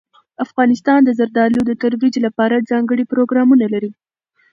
افغانستان د زردالو د ترویج لپاره ځانګړي پروګرامونه لري.